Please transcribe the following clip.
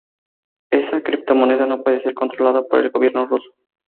Esa criptomoneda no puede ser controlada por el gobierno ruso.